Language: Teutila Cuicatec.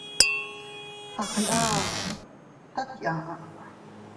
A gndano tat iyaʼa.